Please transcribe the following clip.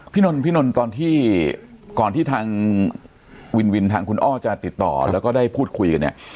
พี่นนท์ตอนที่ก่อนที่ทางวินวินทางคุณอ้อจะติดต่อแล้วก็ได้พูดคุยกันเนี่ย